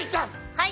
はい！